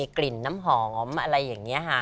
กลิ่นน้ำหอมอะไรอย่างนี้ค่ะ